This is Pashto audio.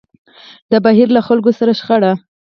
د بهير له خلکو سره شخړه.